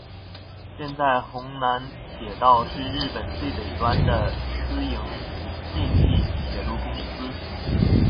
现在弘南铁道是日本最北端的私营电气铁路公司。